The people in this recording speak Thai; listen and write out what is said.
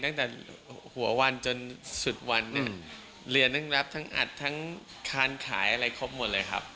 ตั้งแต่หัววันจนสุดวันเนี่ยเรียนทั้งรับทั้งอัดทั้งคานขายอะไรครบหมดเลยครับ